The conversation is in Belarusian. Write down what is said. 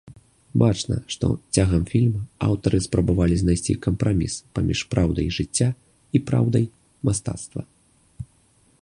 Бачна, што цягам фільма аўтары спрабавалі знайсці кампраміс паміж праўдай жыцця і праўдай мастацтва.